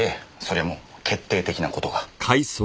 それも決定的な事が。